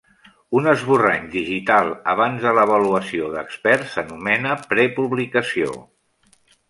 Un esborrany digital abans de l'avaluació d'experts s'anomena prepublicació.